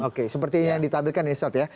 oke seperti yang ditampilkan ustadz ya